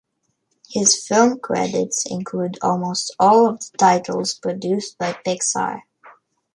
His film credits include almost all of the titles produced by Pixar.